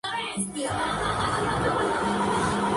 Los últimos reyes de la dinastía tienen nombres acadios.